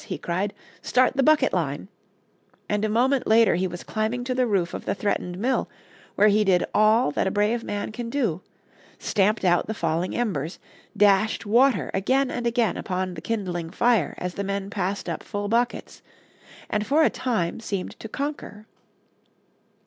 he cried; "start the bucket line," and a moment later he was climbing to the roof of the threatened mill, where he did all that a brave man can do stamped out the falling embers, dashed water again and again upon the kindling fire as the men passed up full buckets, and for a time seemed to conquer.